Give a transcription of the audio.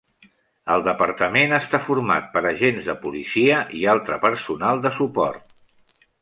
El departament està format per agents de policia i altre personal de suport.